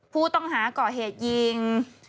ผู้ต้องหาก่อเหตุยิง